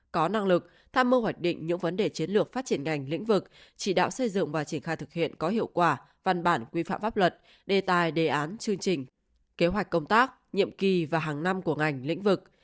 có năng lực tham mưu hoạch định những vấn đề chiến lược phát triển ngành lĩnh vực chỉ đạo xây dựng và triển khai thực hiện có hiệu quả văn bản quy phạm pháp luật đề tài đề án chương trình kế hoạch công tác nhiệm kỳ và hàng năm của ngành lĩnh vực